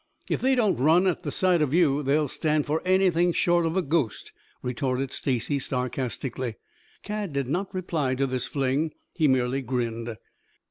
"If they don't run at sight of you, they'll stand for anything short of a ghost," retorted Stacy sarcastically. Cad did not reply to this fling. He merely grinned.